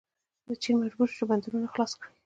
چین مجبور شو چې بندرونه خلاص کړي.